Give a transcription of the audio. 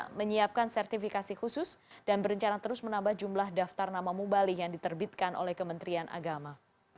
pemerintah menyiapkan sertifikasi khusus dan berencana terus menambah jumlah daftar nama mubalik yang diterbitkan oleh kementerian agama